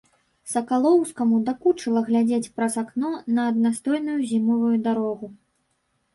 Сакалоўскаму надакучыла глядзець праз акно на аднастайную зімовую дарогу.